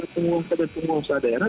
penguangsa dan penguangsa daerah